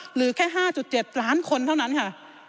เหลือแค่๕๗ล้านคนเท่านั้นค่ะ